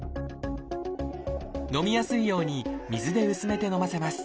飲みやすいように水で薄めて飲ませます